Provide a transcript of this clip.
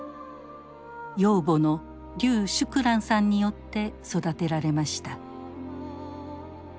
養母の劉淑蘭さんによって育てられました。